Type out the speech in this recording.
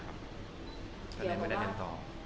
ก็ได้ไม่ได้เคทีนต่อ